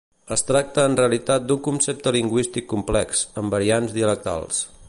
Es tracta en realitat d'un concepte lingüístic complex, amb variants dialectals.